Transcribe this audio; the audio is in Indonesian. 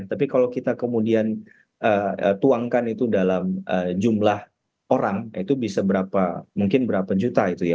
tapi kalau kita kemudian tuangkan itu dalam jumlah orang itu bisa berapa mungkin berapa juta itu ya